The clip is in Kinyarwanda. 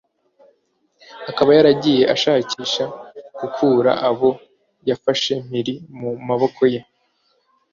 akaba yaragiye ashakisha gukura abo yafashe mpiri mu maboko ye